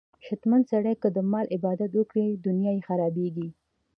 شتمن سړی که د مال عبادت وکړي، دنیا یې خرابېږي.